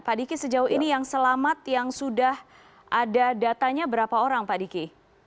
pak diki sejauh ini yang selamat yang sudah ada datanya berapa orang pak diki